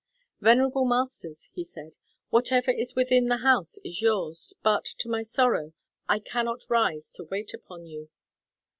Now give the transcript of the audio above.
"Venerable masters," he said, "whatever is within the house is yours, but, to my sorrow, I cannot rise to wait upon you."